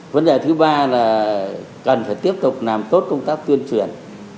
vấn đề thứ ba là cần phải tiếp tục làm tốt công tác tuyên truyền